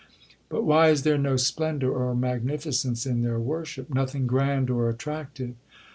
'—'But why is there no splendour or magnificence in their worship; nothing grand or attractive?'